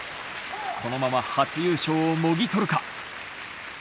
このまま初優勝をもぎとるか。